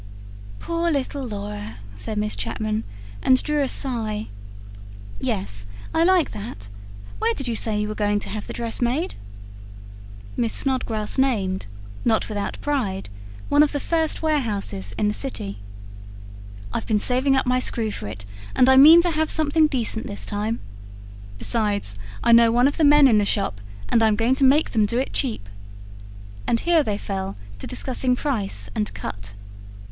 "Poor little Laura," said Miss Chapman, and drew a sigh. "Yes, I like that. Where did you say you were going to have the dress made?" Miss Snodgrass named, not without pride, one of the first warehouses in the city. "I've been saving up my screw for it, and I mean to have something decent this time. Besides, I know one of the men in the shop, and I'm going to make them do it cheap." And here they fell to discussing price and cut.